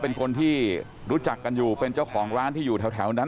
เป็นคนที่รู้จักกันอยู่เป็นเจ้าของร้านที่อยู่แถวนั้น